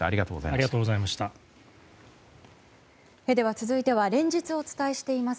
続いては連日、お伝えしています